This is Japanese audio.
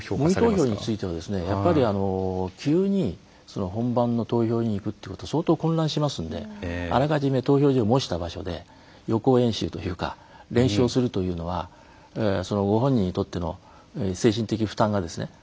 模擬投票については急に本番の投票に行くってことは相当混乱しますのであらかじめ投票所を模した場所で予行演習というか練習をするというのはご本人にとっての精神的負担が相当軽くなるんじゃないかと。